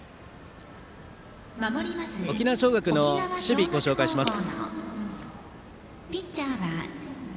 沖縄尚学の守備をご紹介します。